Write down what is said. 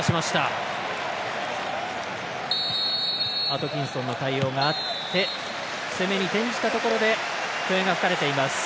アトキンソンの対応があって攻めに転じたところで笛が吹かれています。